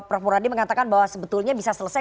prof muradi mengatakan bahwa sebetulnya bisa selesai